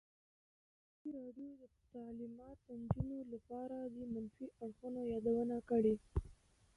ازادي راډیو د تعلیمات د نجونو لپاره د منفي اړخونو یادونه کړې.